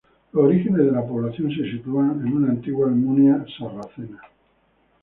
Los orígenes de la población se sitúan en una antigua almunia sarracena.